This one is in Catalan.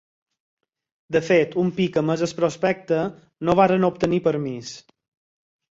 De fet, un cop emès el prospecte, no van obtenir permís.